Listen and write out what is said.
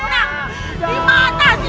matah si unang